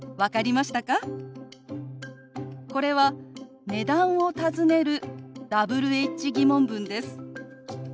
これは値段を尋ねるＷｈ−疑問文です。